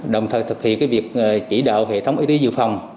đồng thời thực hiện việc chỉ đạo hệ thống y tế dự phòng